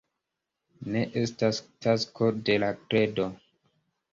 Ne estas tasko de la kredo.